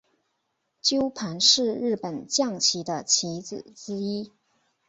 鸠盘是日本将棋的棋子之一。